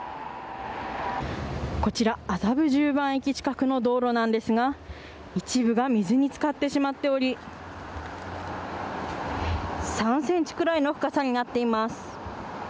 こちら麻布十番駅近くの道路なんですが一部は水に漬かってしまっており３センチくらいの深さになっています。